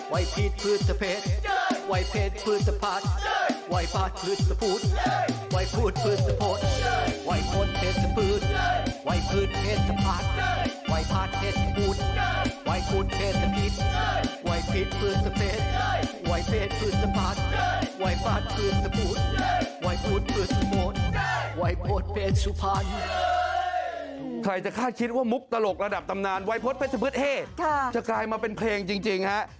ไวพฤตเผ็ดตะเพชรไวพฤตเผ็ดตะพารไวพัดเผ็ดตะพูดไวพฤตเผ็ดตะโพธไวพฤตเผ็ดตะพืชไวพฤตเผ็ดตะพารไวพัดเผ็ดตะพูดไวพฤตเผ็ดตะพีชไวพฤตเผ็ดตะพูดไวพฤตเผ็ดตะพารไวพฤตเผ็ดตะพูดไวพฤตเผ็ดตะพูดไวพฤตเผ็ดตะพูดไวพฤตเผ็ดตะพูดไวพ